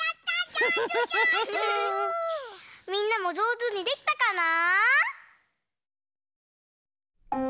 みんなもじょうずにできたかな？